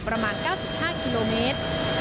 ประมาณ๙๕กิโลเมตร